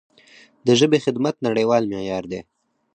د ژبې خدمت نړیوال معیار دی.